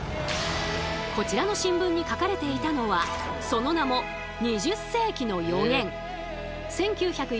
こちらの新聞に書かれていたのはその名も例えば。